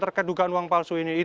terkait dugaan uang palsu ini